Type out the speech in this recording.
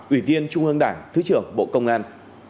ủy viên trung ương đảng thứ trưởng bộ công an